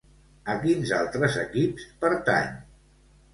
A quins altres equips pertany?